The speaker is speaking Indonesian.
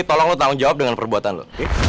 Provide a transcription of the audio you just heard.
tolong lo tanggung jawab dengan perbuatan lu